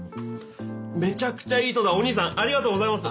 めちゃくちゃいい人だお義兄さんありがとうございます。